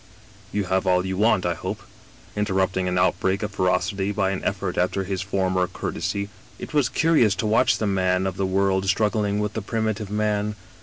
You have all you want, I hope,' interrupting an outbreak of ferocity by an effort after his former cour tesy. " It was curious to watch the man of the world strug gling with the primitive man.